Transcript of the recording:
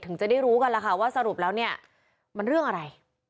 จะได้รู้กันแล้วค่ะว่าสรุปแล้วเนี่ยมันเรื่องอะไร